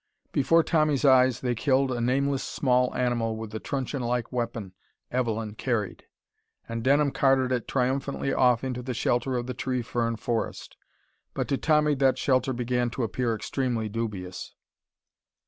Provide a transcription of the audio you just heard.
Before Tommy's eyes they killed a nameless small animal with the trunchionlike weapon Evelyn carried. And Denham carted it triumphantly off into the shelter of the tree fern forest. But to Tommy that shelter began to appear extremely dubious.